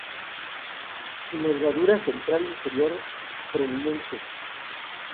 Nervadura central inferior prominente.